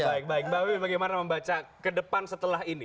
baik baik mbak wiwi bagaimana membaca ke depan setelah ini